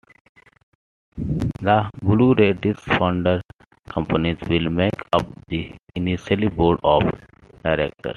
The Blu-ray Disc Founder companies will make up the initial Board of Directors.